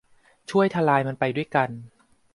ช่วยทลายมันไปด้วยกัน